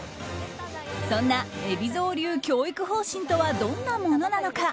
そんな海老蔵流教育方針とはどんなものなのか。